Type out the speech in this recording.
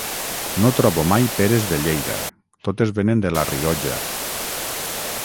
No trobo mai peres de Lleida, totes venen de La Rioja.